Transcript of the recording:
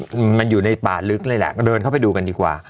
มันมันอยู่ในป่าลึกเลยแหละก็เดินเข้าไปดูกันดีกว่า